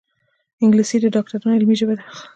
انګلیسي د ډاکټرانو علمي ژبه ده